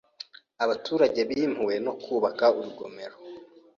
Abaturage bimuwe no kubaka urugomero.